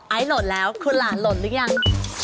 ไอล์โหลดแล้วคุณหลานโหลดหรือยัง